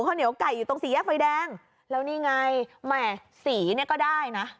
ข้าวเหนียวไก่อยู่ตรงสี่แยกไฟแดงแล้วนี่ไงแหม่สีเนี่ยก็ได้นะ